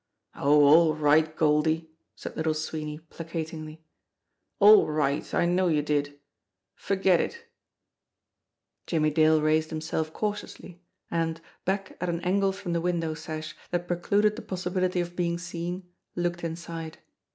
"Oh, all right, Goldie!" said Little Sweeney placatingly. "All right! I know you did. Forget it!" Jimmie Dale raised himself cautiously, and, back at an angle from the window sash that precluded the possibility of being seen, looked inside.